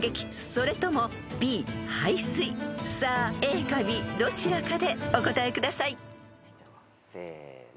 ［さあＡかＢどちらかでお答えください］せーの。